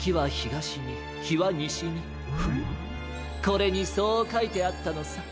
これにそうかいてあったのさ。